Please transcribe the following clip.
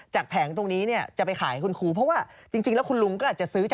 แผงตรงนี้เนี่ยจะไปขายคุณครูเพราะว่าจริงแล้วคุณลุงก็อาจจะซื้อจาก